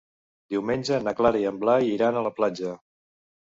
Diumenge na Carla i en Blai iran a la platja.